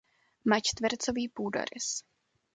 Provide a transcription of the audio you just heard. Má čtvercový půdorys.